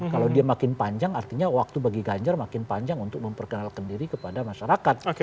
kalau dia makin panjang artinya waktu bagi ganjar makin panjang untuk memperkenalkan diri kepada masyarakat